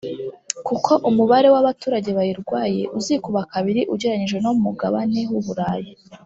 kuko umubare w’abaturage bayirwaye uzikuba kabiri ugereranyije no mugabane w’u Burayi